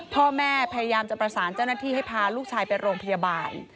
พ่อแม่พยายามจะประสานเจ้าหน้าที่ให้พาลูกชายไปโรงพยาบาล